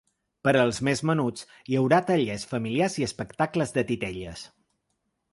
Per als més menuts, hi haurà tallers familiars i espectacles de titelles.